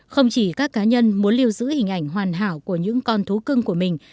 không chỉ các cá nhân muốn lưu giữ hình ảnh hoàn hảo của những con thú cưng của mình